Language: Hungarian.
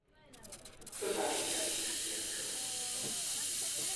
Kutatása kettős célt követ.